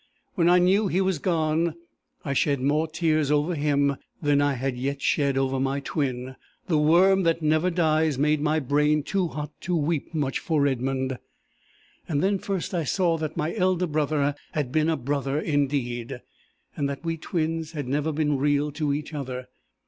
When I knew he was gone, I shed more tears over him than I had yet shed over my twin: the worm that never dies made my brain too hot to weep much for Edmund. Then first I saw that my elder brother had been a brother indeed; and that we twins had never been real to each other.